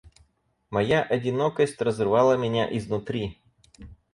Моя одинокость разрывала меня изнутри.